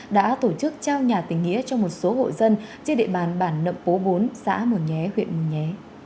đã tổ chức trao nhà tình nghĩa cho một số hộ dân trên địa bàn bản nậm pố bốn xã mường nhé huyện mường nhé